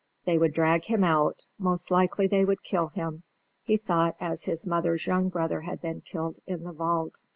They would drag him out; most likely they would kill him, he thought, as his mother's young brother had been killed in the Wald.